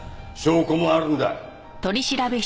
証拠もあるんだ。